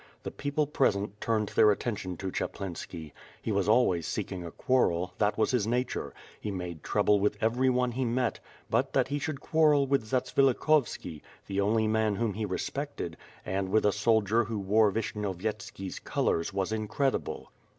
The people present turned their attention to Chaplinski. He was always seeking a quarrel, that was his nature. He made trouble with every one he met, but that he should quarrel with Zatsvilikhovski, the only man whom he respected, and with a soldier who wore Vishny ovyetski's colors was incredible.